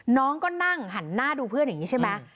น้องก็นั่งหันหน้าดูเพื่อนอย่างนี้ใช่ไหม